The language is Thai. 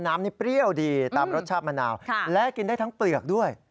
น้ำนี้เปรี้ยวดีตามรสชาติมะนาวและกินได้ทั้งเปลือกด้วย